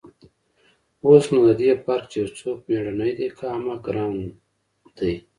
اوس نو د دې فرق چې يو څوک مېړنى دى که احمق گران ديه.